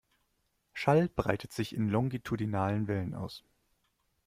Schall breitet sich in longitudinalen Wellen aus.